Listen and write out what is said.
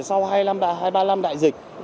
sau hai ba năm đại dịch